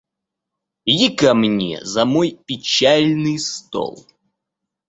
Иди ко мне за мой печальный стол.